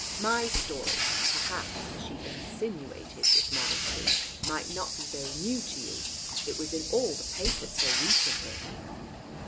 "My story, perhaps," she insinuated with modesty, "might not be very new to you. It was in all the papers so recently."